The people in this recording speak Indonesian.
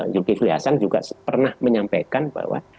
yogi flihasan juga pernah menyampaikan bahwa